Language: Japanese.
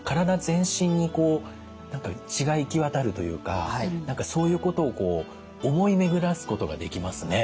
全身にこう血が行き渡るというか何かそういうことをこう思い巡らすことができますね。